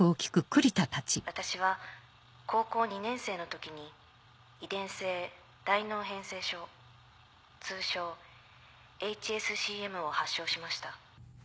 私は高校２年生の時に遺伝性大脳変性症通称ＨＳＣＭを発症しました。